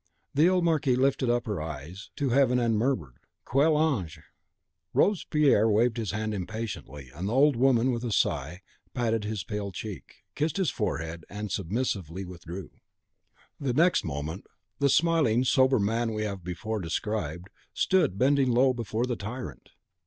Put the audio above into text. The old Marquise lifted up her eyes to heaven and murmured, "Quel ange!" Robespierre waved his hand impatiently; and the old woman, with a sigh, patted his pale cheek, kissed his forehead, and submissively withdrew. The next moment, the smiling, sober man we have before described, stood, bending low, before the tyrant.